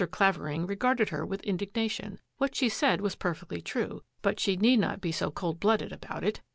Clavering regarded her with indignation. What she said was perfectly true, but she need not be so cold blooded about it.